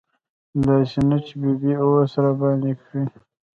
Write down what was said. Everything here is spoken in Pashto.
داسې نه چې په ببۍ اوس راباندې کړي.